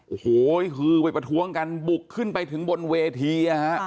โอ้โหฮือไปประท้วงกันบุกขึ้นไปถึงบนเวที